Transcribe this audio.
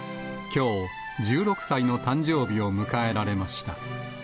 きょう、１６歳の誕生日を迎えられました。